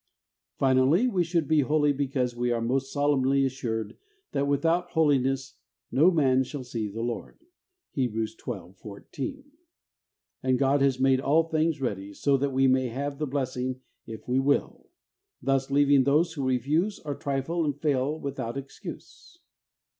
Finally, we should be holy because we are most solemnly assured that without Holiness ' no man shall see the Lord ' (Heb. xii. 14), and God has made all things ready, so that we may have the blessing if we will, thus leaving those who refuse or trifle and fail without excuse.